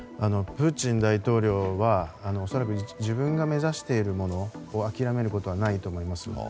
プーチン大統領は恐らく自分が目指しているものを諦めることはないと思います。